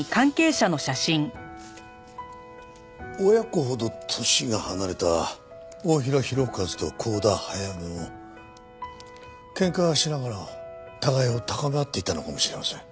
親子ほど年が離れた太平洋和と幸田早芽も喧嘩しながら互いを高め合っていたのかもしれません。